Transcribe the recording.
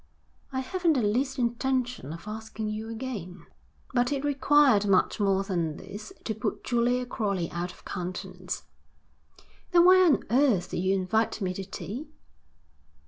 'I haven't the least intention of asking you again.' But it required much more than this to put Julia Crowley out of countenance. 'Then why on earth did you invite me to tea?'